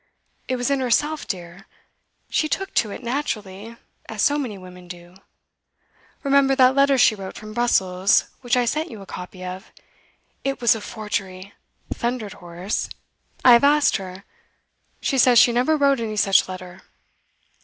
It was in herself, dear. She took to it naturally, as so many women do. Remember that letter she wrote from Brussels, which I sent you a copy of ' 'It was a forgery!' thundered Horace. 'I have asked her. She says she never wrote any such letter.